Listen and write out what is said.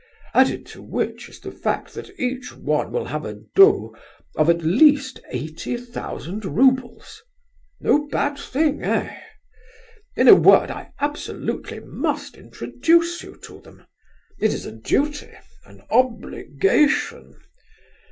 Added to which is the fact that each one will have a dot of at least eighty thousand roubles. No bad thing, eh?... In a word I absolutely must introduce you to them: it is a duty, an obligation.